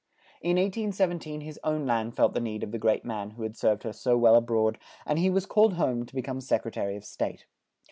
In 1817 his own land felt the need of the great man who had served her so well a broad, and he was called home to be come Sec re ta ry of State.